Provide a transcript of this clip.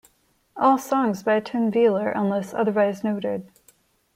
All songs by Tim Wheeler unless otherwise noted.